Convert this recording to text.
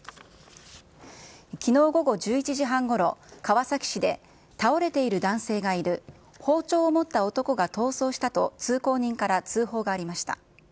きのう午後１１時半ごろ、川崎市で、倒れている男性がいる、包丁を持った男が逃走したと、通行人から通報がありました。